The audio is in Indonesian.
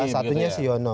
salah satunya si uno